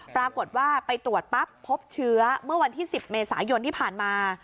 ปรากฏว่าไปตรวจปั๊บพบเชื้อเมื่อวันที่๑๐เมษายนที่ผ่านมา